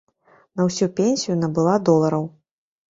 На ўсю пенсію набыла долараў.